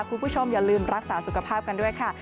คุณผู้ชมอย่าลืมรักษาสุขภาพกันด้วยค่ะ